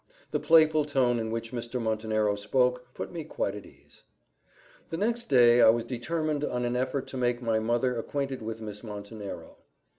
The playful tone in which Mr. Montenero spoke, put me quite at my ease. The next day I was determined on an effort to make my mother acquainted with Miss Montenero.